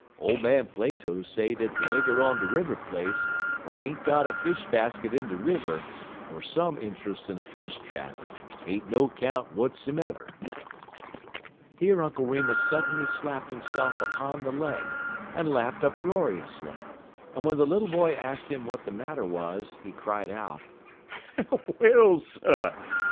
Ole man Plato say dat de nigger on de River place w'at ain't got a fish baskit in de river er some intruss in a fish trap ain't no 'count w'atsomever." Here Uncle Remus suddenly slapped himself upon the leg, and laughed uproariously; and when the little boy asked him what the matter was, he cried out: "Well, sir!